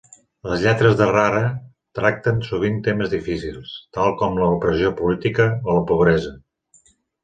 Les lletres de Rara tracten sovint temes difícils, tal com l'opressió política o la pobresa.